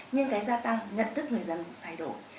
nhưng cái gia tăng nhận thức người dân thay đổi